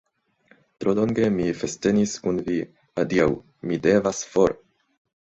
Tro longe mi festenis kun vi, adiaŭ, mi devas for!